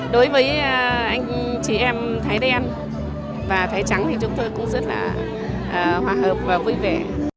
đối với anh chị em thái đen và thái trắng thì chúng tôi cũng rất là hòa hợp và vui vẻ